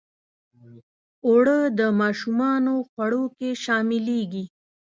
اوړه د ماشومانو خواړه کې شاملیږي